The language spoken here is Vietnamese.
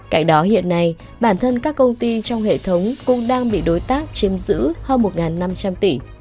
cạnh đó hiện nay bản thân các công ty trong hệ thống cũng đang bị đối tác chiếm giữ hơn một năm trăm linh tỷ